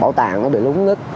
bảo tàng nó bị lúng nứt